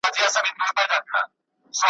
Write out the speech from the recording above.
چي نه رقیب نه محتسب وي نه قاضي د محل `